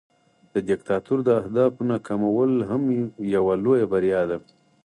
د دیکتاتور د اهدافو ناکامول هم یوه لویه بریا ده.